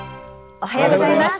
おはようございます。